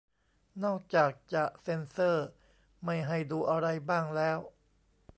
นอกจากจะเซ็นเซอร์ไม่ให้ดูอะไรบ้างแล้ว